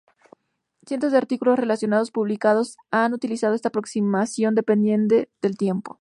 Cientos de artículos relacionados publicados han utilizado esta aproximación dependiente del tiempo.